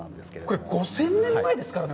これ、５０００年前ですからね。